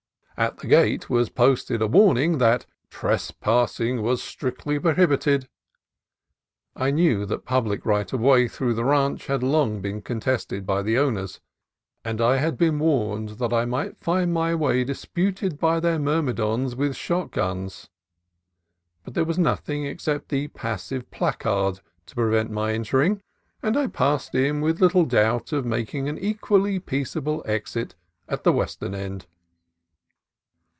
At the gate was posted a warn ing that Trespassing was Strictly Prohibited. I knew that public right of way through the ranch had long been contested by the owners, and I had been warned that I might find my way disputed by their myrmi dons with shotguns. But there was nothing except the passive placard to prevent my entering, and I passed in with little doubt of making an equally peaceable exit at the western end.